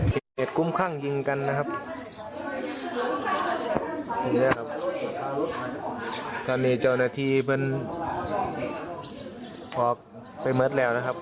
เกิดกุ้มคั่งยิงกันนะครับตอนนี้เจ้าหน้าทีมันออกไปเมิดแล้วนะครับ